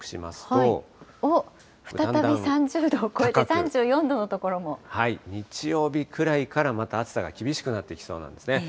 おっ、再び３０度を超えて、日曜日くらいから、また暑さが厳しくなってきそうなんですね。